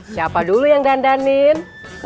siapa dulu yang dandanin